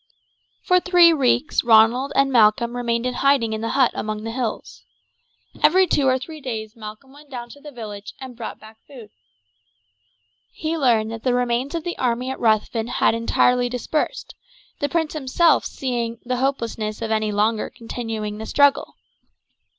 For three weeks Ronald and Malcolm remained in hiding in the hut among the hills. Every two or three days Malcolm went down to the village and brought back food. He learned that the remains of the army at Ruthven had entirely dispersed, the prince himself seeing the hopelessness of any longer continuing the struggle.